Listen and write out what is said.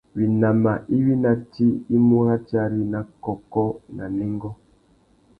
Winama iwí ná tsi i mú ratiari na kôkô na nêngô.